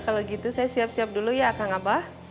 kalau gitu saya siap siap dulu ya kak ngabah